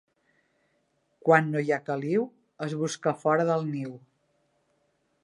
Quan no hi ha caliu, es busca fora del niu.